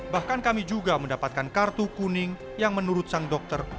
bahkan kami juga mendapatkan kartu kuning yang menurut sang dokter